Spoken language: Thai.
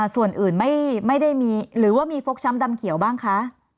ส่วนอื่นไม่ได้มีหรือว่ามีฟกช้ำดำเขียวบ้างคะ